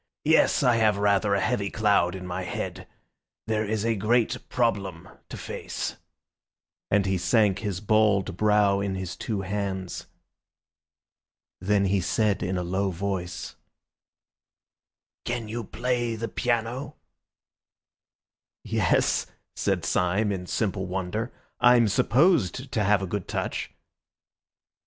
Yes, I have rather a heavy cloud in my head. There is a great problem to face," and he sank his bald brow in his two hands. Then he said in a low voice— "Can you play the piano?" "Yes," said Syme in simple wonder, "I'm supposed to have a good touch."